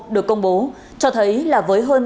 được công bố cho thấy là với hơn